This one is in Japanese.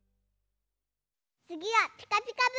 つぎは「ピカピカブ！」。